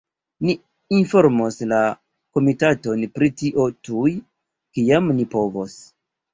Ni informos la komitaton pri tio tuj, kiam ni povos.